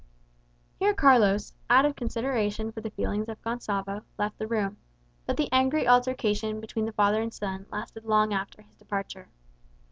Here Carlos, out of consideration for the feelings of Gonsalvo, left the room; but the angry altercation between the father and son lasted long after his departure.